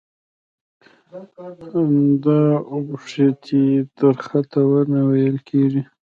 د اوبښتې درخته ونه ويل کيږي.